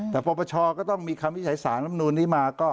แต่ปปชก็ต้องมีคำวิจัยสารลำนูนนี้มาก็